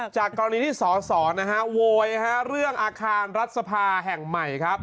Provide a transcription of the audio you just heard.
จากกรณีที่สอสอโวยเรื่องอาคารรัฐสภาแห่งใหม่ครับ